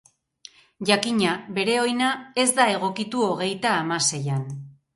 Jakina, bere oina ez da egokitu hogeita hamaseian.